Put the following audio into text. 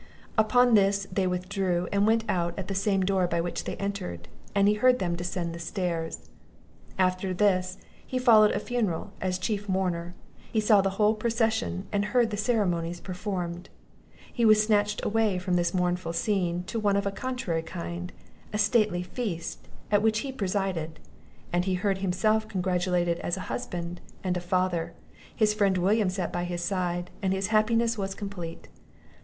Upon this, they withdrew, and went out at the same door by which they entered, and he heard them descend the stairs. After this, he followed a funeral as chief mourner; he saw the whole procession, and heard the ceremonies performed. He was snatched away from this mournful scene to one of a contrary kind, a stately feast, at which he presided; and he heard himself congratulated as a husband, and a father; his friend William sat by his side; and his happiness was complete.